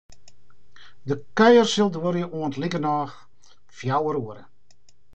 De kuier sil duorje oant likernôch fjouwer oere.